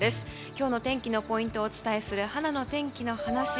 今日の天気のポイントをお伝えする、はなの天気のはなし